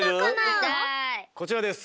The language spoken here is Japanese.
こちらです。